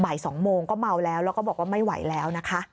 ๒โมงก็เมาแล้วแล้วก็บอกว่าไม่ไหวแล้วนะคะ